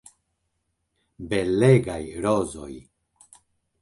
Belegaj rozoj.